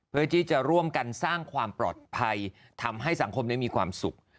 เพื่อที่จะร่วมกันสร้างความปลอดภัยทำให้สังคมได้มีความสุข